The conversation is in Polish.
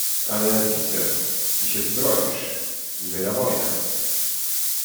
"Ale jak widzę, ty się zbroisz, niby na wojnę."